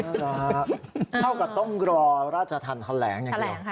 เท่ากับต้มรอราชทันทะแหลง